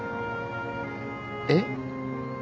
えっ？